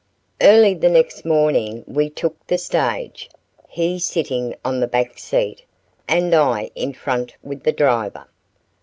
Early the next morning we took the stage, he sitting on the back seat, and I in front with the driver.